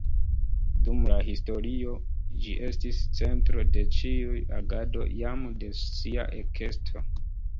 Dum la historio ĝi estis centro de ĉiu agado jam de sia ekesto.